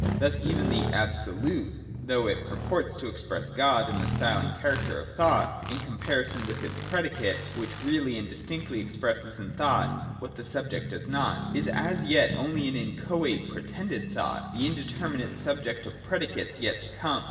Thus even the Absolute (though it pur ports to express God in the style and character of thought) in comparison with its predicate (which really and distinctly expresses in thought what the subject does not), is as yet only an inchoate pretended thought — the indeterminate subject of predicates yet to come.